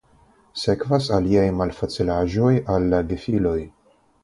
Sekvas aliaj malfacilaĵoj al la gefiloj.